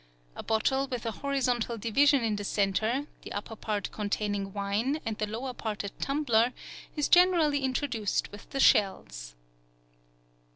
A bottle with a horizontal division in the center, the upper part containing wine, and the lower part a tumbler, is generally introduced with the shells.